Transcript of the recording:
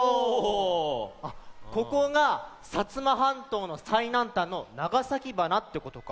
ここが摩半島のさいなんたんの長崎鼻ってことか。